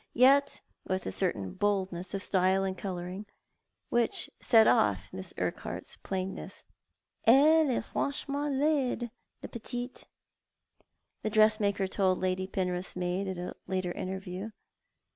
y( t with a certain boldness of style and colouring which set off Miss Urquhart's plainness. " Effe eat fmnrhi'mcnt htide, la jy'tite" the dressmaker told Lady Penrith's maid at a later interview.